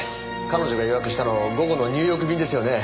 彼女が予約したの午後のニューヨーク便ですよね？